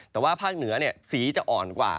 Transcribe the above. แต่ว่าภาคเหนือสีจะอ่อนกว่า